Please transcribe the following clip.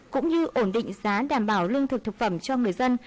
cũng như ổn định giá đảm bảo lương thực thực phẩm cho người dân